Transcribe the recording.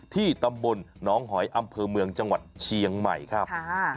ที่ตำบลน้องหอยอำเภอเมืองจังหวัดเชียงใหม่ครับ